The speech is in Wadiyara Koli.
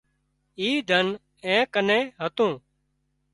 اي ڌن اين ڪنين هتون